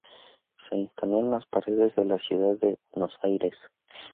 Se instaló en las paredes de la Ciudad de Buenos Aires.